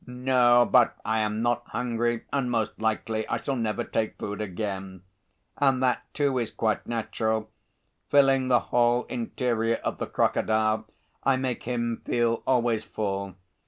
"No, but I am not hungry, and most likely I shall never take food again. And that, too, is quite natural; filling the whole interior of the crocodile I make him feel always full.